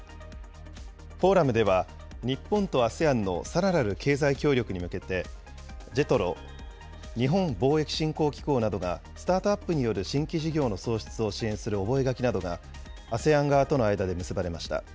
フォーラムでは、日本とＡＳＥＡＮのさらなる経済協力に向けて、ＪＥＴＲＯ・日本貿易振興機構などがスタートアップによる新規事業の創出を支援する覚書などが、ＡＳＥＡＮ側との間で結ばれました。